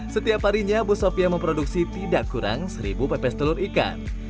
setiap harinya bu sopya memproduksi tidak kurang seribu pepes telur ikan